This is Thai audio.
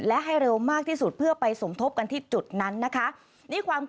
และให้เร็วมากที่สุดเพื่อไปสมทบกันที่จุดนั้นนะคะ